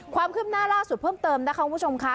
ความคืบหน้าล่าสุดเพิ่มเติมนะคะคุณผู้ชมค่ะ